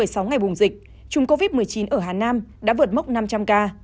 sau một mươi sáu ngày bùng dịch chùm covid một mươi chín ở hà nam đã vượt mốc năm trăm linh ca